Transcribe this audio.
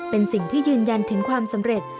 เป็นสิ่งที่ยืนยันถึงความสำเร็จ